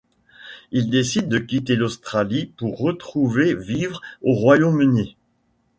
Il décide de quitter l'Australie pour retourner vivre au Royaume-Uni.